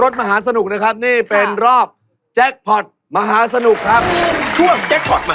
สวัสดีครับทุกคน